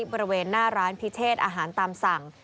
บริเวณหน้าร้านพิเชษอาหารตามสั่ง